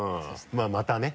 まぁまたね。